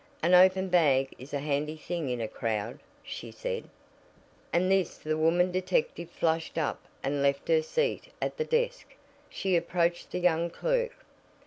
"An open bag is a handy thing in a crowd," she said. At this the woman detective flushed up and left her seat at the desk. She approached the young clerk.